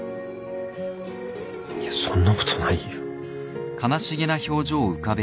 いやそんなことないよ。